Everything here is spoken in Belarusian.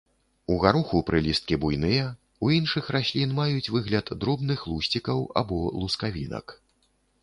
У гароху прылісткі буйныя, у іншых раслін маюць выгляд дробных лісцікаў або лускавінак.